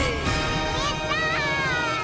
やった！